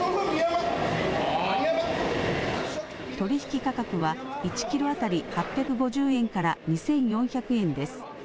取引価格は１キロ当たり８５０円から２４００円です。